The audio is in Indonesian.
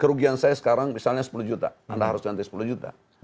kerugian saya sekarang misalnya sepuluh juta anda harus ganti sepuluh juta